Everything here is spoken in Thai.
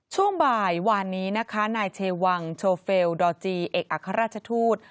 ช่วงบ่ายวานนี้นะคะนายเชวังโชเฟลดอร์จีเอกอัครราชทูต